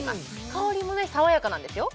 香りもね爽やかなんですよ